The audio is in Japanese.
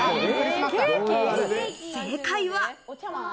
正解は。